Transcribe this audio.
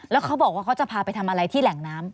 แล้วเขาบอกว่าเขาจะพาไปทำอะไรที่แหล่งน้ำ